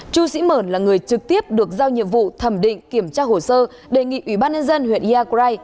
chú sĩ mờn là người trực tiếp được giao nhiệm vụ thẩm định kiểm tra hồ sơ đề nghị ủy ban nhân dân huyện yà grai